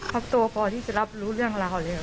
คับโตพอที่จะรับรู้เรื่องราวเลยนะ